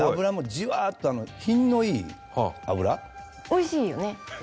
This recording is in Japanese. おいしいよね。